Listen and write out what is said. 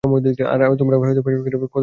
আর আজকে তোমরা আমার এতটুকু কথা শুনছো না?